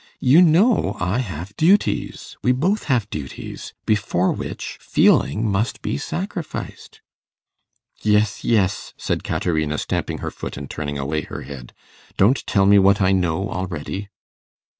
You know I have duties we both have duties before which feeling must be sacrificed.' 'Yes, yes,' said Caterina, stamping her foot, and turning away her head; 'don't tell me what I know already.